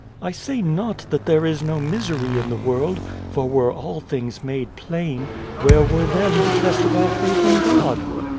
" I say not that there is no misery in the world, for were all things made plain, where were then the test of our faith in God